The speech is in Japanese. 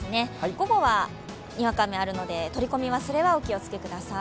午後はにわか雨あるので取り込み忘れはお気をつけください。